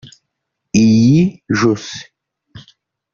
iy’ijosi